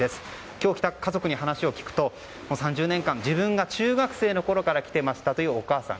今日来た家族に話を聞くと３０年間自分が中学生のころから来ていたというお母さん。